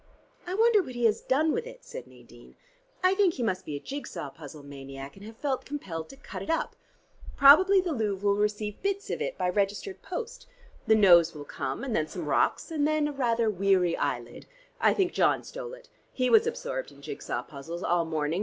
"I wonder what he has done with it," said Nadine. "I think he must be a jig saw puzzle maniac, and have felt compelled to cut it up. Probably the Louvre will receive bits of it by registered post. The nose will come, and then some rocks, and then a rather weary eyelid. I think John stole it: he was absorbed in jig saw puzzles all morning.